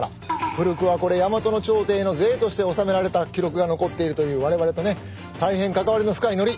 古くはこれ大和の朝廷の税として納められた記録が残っているという我々とね大変関わりの深いのり！